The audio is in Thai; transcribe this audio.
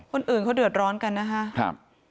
คนอื่นเขาเดือดร้อนกันนะครับ